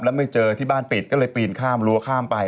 แล้วไม่เจอที่บ้านปิดก็เลยปีนข้ามรั้วข้ามไป